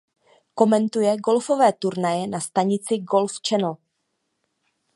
Komentuje golfové turnaje na stanici Golf Channel.